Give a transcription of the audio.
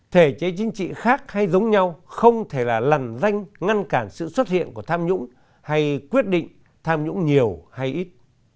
thể chế chính trị khác hay giống nhau không thể là lằn danh ngăn cản sự xuất hiện của tham nhũng hay quyết định tham nhũng nhiều hay ít